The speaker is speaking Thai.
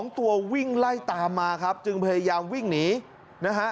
ตัววิ่งไล่ตามมาครับจึงพยายามวิ่งหนีนะฮะ